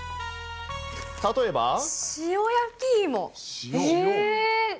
例えば。